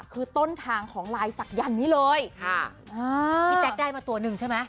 คือต้นทางของลายศักยันต์นี้เลยค่ะอ่าพี่แจ๊คได้มาตัวหนึ่งใช่ไหม